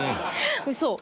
ウソ。